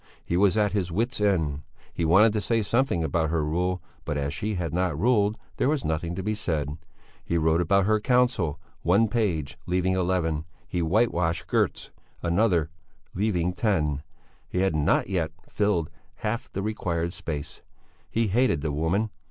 He was at his wits' end. He wanted to say something about her rule, but as she had not ruled, there was nothing to be said. He wrote about her Council one page leaving eleven; he whitewashed Görtz another leaving ten. He had not yet filled half the required space. He hated the woman!